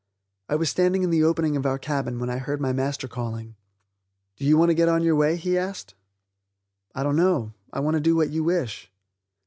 I was standing in the opening of our cabin when I heard my master calling. "Do you want to get on your way?" he asked. "I don't know; I want to do what you wish."